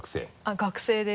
学生です。